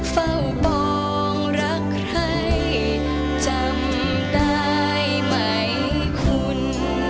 เฝ้าปองรักใครจำได้ไหมคุณ